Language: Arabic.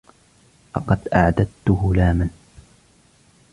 لقد أعددت هلاما.